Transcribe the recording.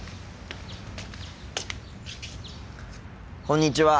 こんにちは。